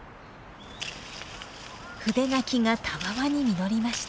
筆柿がたわわに実りました。